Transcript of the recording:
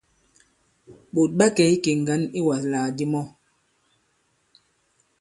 Ɓòt ɓa kɛ̀ ikè ŋgǎn iwàslàgàdi mɔ.